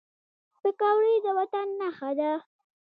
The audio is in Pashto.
پکورې د وطن نښه ده